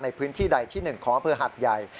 ในพื้นที่ใดที่๑ขภัฏยัย